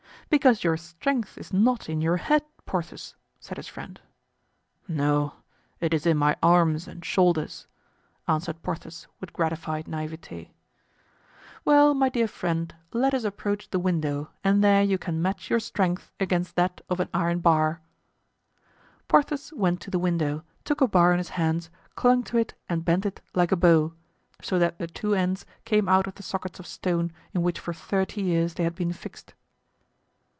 "Because your strength is not in your head, Porthos," said his friend. "No; it is in my arms and shoulders," answered Porthos with gratified naivete. "Well, my dear friend, let us approach the window and there you can match your strength against that of an iron bar." Porthos went to the window, took a bar in his hands, clung to it and bent it like a bow; so that the two ends came out of the sockets of stone in which for thirty years they had been fixed.